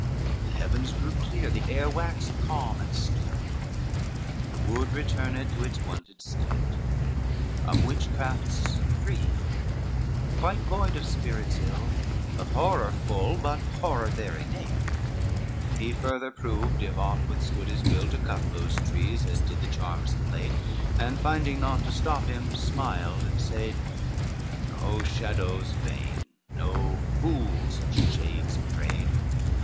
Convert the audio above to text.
XXXVIII The heavens grew clear, the air waxed calm and still, The wood returned to his wonted state, Of withcrafts free, quite void of spirits ill; Of horror full, but horror there innate; He further proved if aught withstood his will To cut those trees as did the charms of late, And finding naught to stop him, smiled, and said, "O shadows vain! O fools, of shades afraid!"